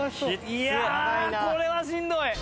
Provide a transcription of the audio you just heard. いやこれはしんどい！